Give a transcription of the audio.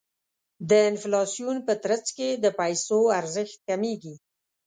د انفلاسیون په ترڅ کې د پیسو ارزښت کمیږي.